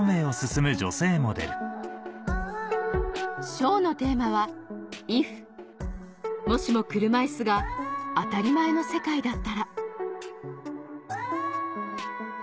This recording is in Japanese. ショーのもしも車いすが当たり前の世界だったら